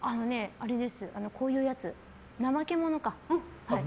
こういうやつ、ナマケモノか。